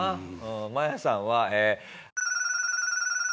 マヤさんは。